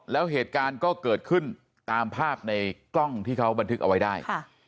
แล้วเหตุการณ์ก็เกิดขึ้นตามภาพในกล้องที่เขาบันทึกเอาไว้ได้